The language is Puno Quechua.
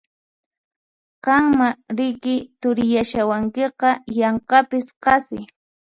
Qanmá riki turiyashawankiqa yanqapis qasi!